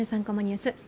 ３コマニュース」